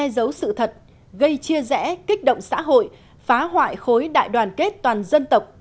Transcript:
giấu sự thật gây chia rẽ kích động xã hội phá hoại khối đại đoàn kết toàn dân tộc